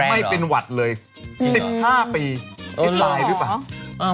ไม่เป็นหวัดเลย๑๕ปีเป็นไลน์หรือเปล่า